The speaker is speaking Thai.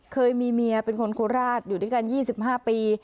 เคยมีเมียเป็นคนโคราชอยู่ด้วยกัน๒๕ปี